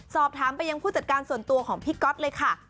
สอบถามไปยังผู้จัดการส่วนตัวของพี่ก๊อตเลยค่ะ